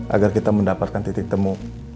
agar kita mendapatkan titik temu